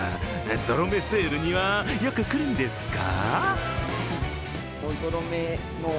ゾロ目セールにはよく来るんですか？